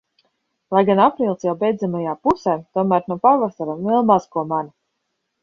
Lai gan aprīlis jau beidzamajā pusē, tomēr no pavasara vēl maz ko mana.